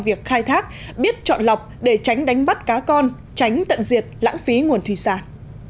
việc khai thác biết chọn lọc để tránh đánh bắt cá con tránh tận diệt lãng phí nguồn thủy sản